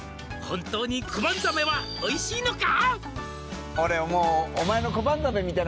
「本当にコバンザメはおいしいのか？」